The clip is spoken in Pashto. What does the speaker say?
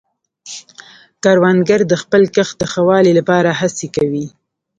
کروندګر د خپل کښت د ښه والي لپاره هڅې کوي